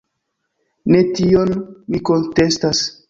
Ne tion mi kontestas.